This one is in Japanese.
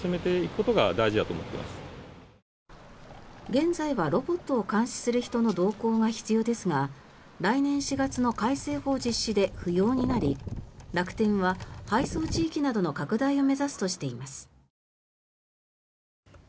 現在はロボットを監視する人の同行が必要ですが来年４月の改正法実施で不要になり楽天は配送地域などの拡大を目指すとしています。